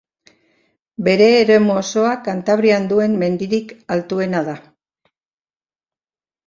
Bere eremu osoa Kantabrian duen mendirik altuena da.